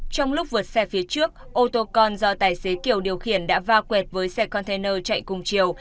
trong lúc vượt xe phía trước ô tô con do tài xế kiều điều khiển đã va quẹt với xe container chạy cùng chiều